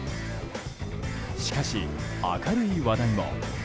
しかし、明るい話題も。